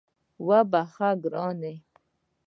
وبخښه ګرانه